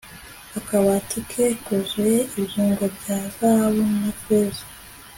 akabati ke kuzuye ibyungo bya zahabu na feza